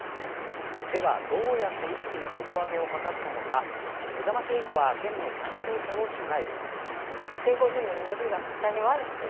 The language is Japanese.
では、どうやって意識の底上げを図ったのかめざまし８は県の担当者を取材。